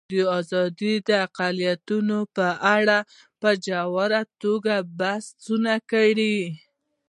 ازادي راډیو د اقلیتونه په اړه په ژوره توګه بحثونه کړي.